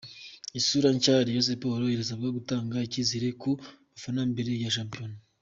Isura nshya : Rayon Sports irasabwa gutanga icyizere ku bafana mbere ya shampiyona.